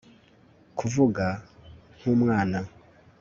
Kuvuga nkumwana